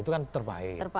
itu kan terpahit